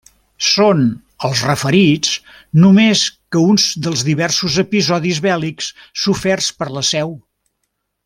Són, els referits, no més que uns dels diversos episodis bèl·lics soferts per la Seu.